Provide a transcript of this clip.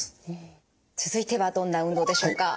続いてはどんな運動でしょうか？